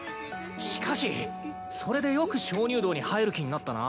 しかしそれでよく鍾乳洞に入る気になったな。